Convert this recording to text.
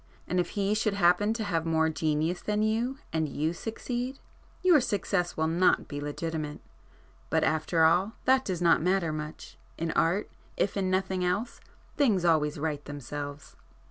And if he should happen to have more genius than you, and you succeed, your success will not be legitimate. But after all, that does not matter much—in Art, if in nothing else, things always right themselves."